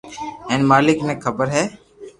ھي مالڪ ني خبر ھي